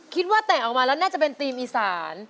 เตะออกมาแล้วน่าจะเป็นธีมอีสาน